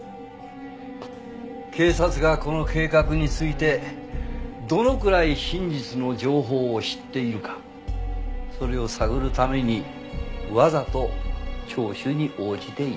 ４警察がこの計画についてどのくらい真実の情報を知っているかそれを探るためにわざと聴取に応じている。